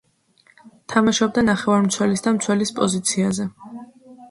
თამაშობდა ნახევარმცველის და მცველის პოზიციაზე.